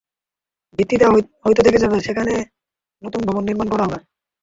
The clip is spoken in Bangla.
ভিত্তিটা হয়তো থেকে যাবে, তবে সেখানে নতুন ভবন নির্মাণ করা হবে।